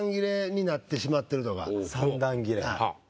三段切れ。